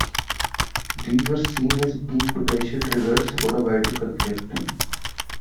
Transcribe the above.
These were seen as being potential triggers for a wider conflict.